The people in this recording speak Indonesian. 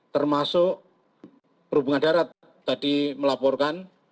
termasuk perhubungan darat tadi melaporkan